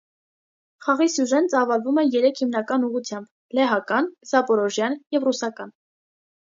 Խաղի սյուժեն ծավալվում է երեք հիմնական ուղղությամբ՝ լեհական, զապորոժյան և ռուսական։